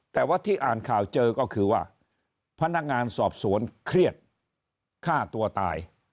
แต่ว่าที่อ่านข่าวเจอก็คือว่าพนักงานสอบสวนเครียดฆ่าตัวตาย